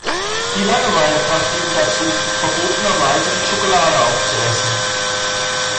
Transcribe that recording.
Die Langeweile brachte ihn dazu, verbotenerweise die Schokolade aufzuessen.